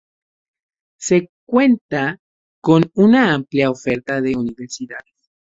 Se cuenta con una amplia oferta de universidades.